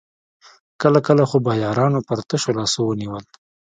کله کله خو به يارانو پر تشو لاسونو ونيول.